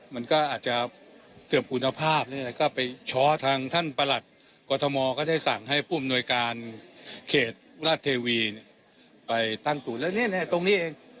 มันก็อาจจะเสื่อมคุณภาพก็ไปช้อทางท่านประหลัดกรทมก็ได้สั่งให้ผู้อำนวยการเขตราชเทวีไปตั้งศูนย์แล้วเนี่ยตรงนี้เอง